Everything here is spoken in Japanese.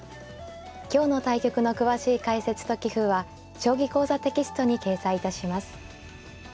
今日の対局の詳しい解説と棋譜は「将棋講座」テキストに掲載いたします。